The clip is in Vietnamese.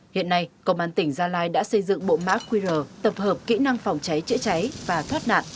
hiện nay công an tỉnh gia lai đã xây dựng bộ mã qr tập hợp kỹ năng phòng cháy chữa cháy và thoát nạn